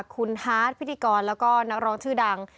คุณฮาร์ดพิธีกรแล้วก็นักร้องชื่อดัง